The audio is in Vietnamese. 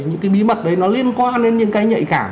những cái bí mật đấy nó liên quan đến những cái nhạy cảm